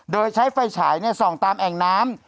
โดยใช้ไฟฉายส่องตามแอ่งน้ำ